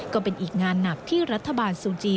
ก็เป็นอีกงานหนักที่รัฐบาลซูจี